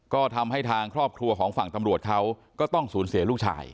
ก็ทำให้ทางครอบครัวของฝั่งตำรวจเขาก็ต้องสูญเสียลูกชาย